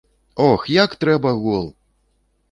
Ох, як трэба гол!